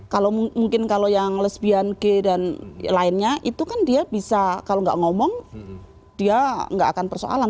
kalau mungkin kalau yang lesbian gay dan lainnya itu kan dia bisa kalau nggak ngomong dia nggak akan persoalan